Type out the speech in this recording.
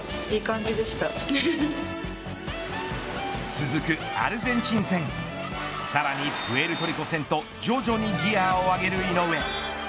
続くアルゼンチン戦さらにプエルトリコ戦と徐々にギアを上げる井上。